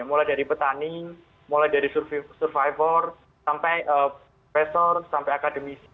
mulai dari petani mulai dari survivor sampai profesor sampai akademisi